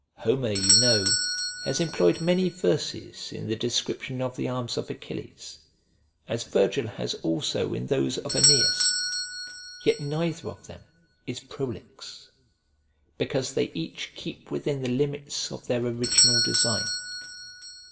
Homer, you know, has employed many verses in the description of the arms of Achilles, as Virgil has also in those of Aeneas, yet neither 'of them is prolix, because they each keep within the limits of their original design.